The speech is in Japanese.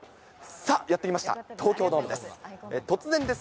さあ、やってまいりました、東京ドームです。